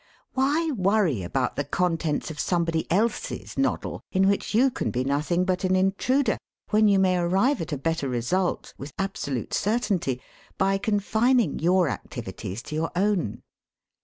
Why worry about the contents of somebody else's noddle, in which you can be nothing but an intruder, when you may arrive at a better result, with absolute certainty, by confining your activities to your own?